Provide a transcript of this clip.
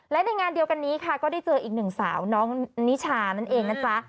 และในงานเดียวกันนี้ค่ะก็ได้เจออีกหนึ่งสาวน้องนิชานั่นเองนะจ๊ะ